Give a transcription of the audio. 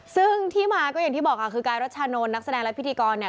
ซึ่งที่มาก็อย่างที่บอกค่ะคือกายรัชชานนท์นักแสดงและพิธีกรเนี่ย